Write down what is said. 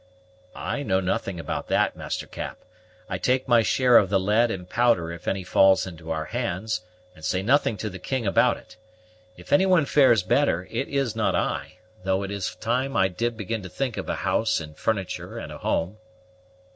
"I know nothing about that, Master Cap. I take my share of the lead and powder if any falls into our hands, and say nothing to the king about it. If any one fares better, it is not I; though it is time I did begin to think of a house and furniture and a home."